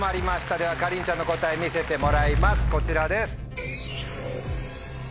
ではかりんちゃんの答え見せてもらいますこちらです。